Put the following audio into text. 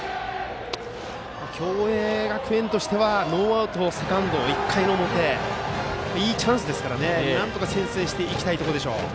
共栄学園としてはノーアウト、セカンド１回の表といいチャンスですからなんとか先制していきたいところです。